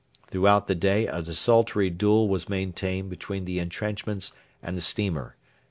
Throughout the day a desultory duel was maintained between the entrenchments and the steamer.